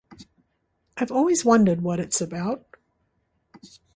I've always wondered what it's about.